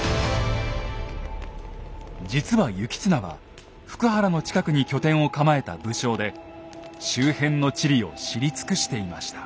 実は行綱は福原の近くに拠点を構えた武将で周辺の地理を知り尽くしていました。